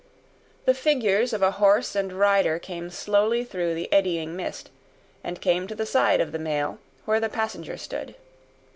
The figures of a horse and rider came slowly through the eddying mist, and came to the side of the mail, where the passenger stood.